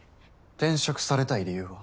転職されたい理由は？